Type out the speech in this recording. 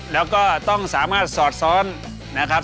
แล้วก็ต้องสามารถสอดซ้อนนะครับ